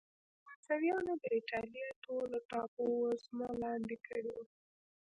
فرانسویانو د اېټالیا ټوله ټاپو وزمه لاندې کړې وه.